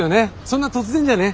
そんな突然じゃね。